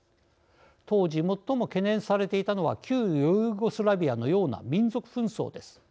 当時もっとも懸念されていたのは旧ユーゴスラビアのような民族紛争です。